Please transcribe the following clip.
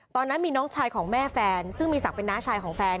ตอนนั้นมีน้องชายของแม่แฟนซึ่งมีศักดิ์เป็นน้าชายของแฟน